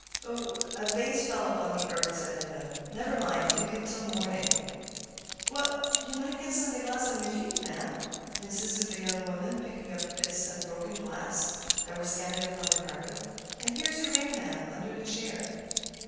"A vase fell upon the hearth," said Edna. "Never mind; leave it till morning." "Oh! you might get some of the glass in your feet, ma'am," insisted the young woman, picking up bits of the broken vase that were scattered upon the carpet. "And here's your ring, ma'am, under the chair."